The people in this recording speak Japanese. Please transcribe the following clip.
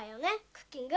クッキング。